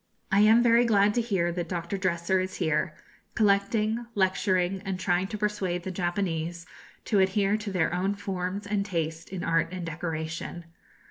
I am very glad to hear that Dr. Dresser is here, collecting, lecturing, and trying to persuade the Japanese to adhere to their own forms and taste in art and decoration.